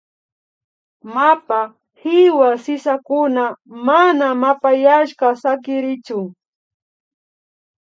Mapa hiwa sisakuna mana mapayashka sakirichun